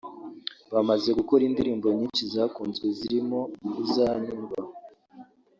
Bamaze gukora indirimbo nyinshi zakunzwe zirimo ‘Uzanyumva’